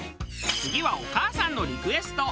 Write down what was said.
次はお母さんのリクエスト。